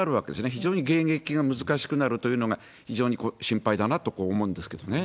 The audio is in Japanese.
非常に迎撃が難しくなるというのが、非常に心配だなと思うんですけどね。